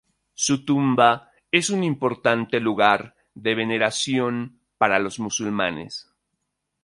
Su tumba es un importante lugar de veneración para los musulmanes.